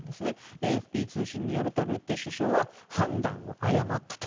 ＡＦＰ通信によるとルッテ首相は判断を誤ったと。